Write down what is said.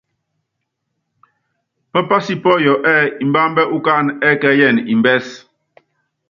Pápási pɔ́yɔ ɛ́ɛ́ mbambɛ́ ukánɛ ɛ́kɛ́yɛnɛ mbɛ́s.